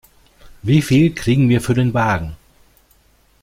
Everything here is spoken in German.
Wie viel kriegen wir für den Wagen?